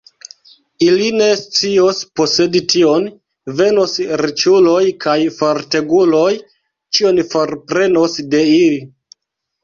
Ili ne scios posedi tion; venos riĉuloj kaj forteguloj, ĉion forprenos de ili.